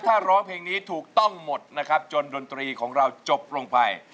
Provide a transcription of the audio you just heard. ถ้าร้องเพลงนี้ถูกต้องหมดนะครับจนดนตรีของเราจบลงไป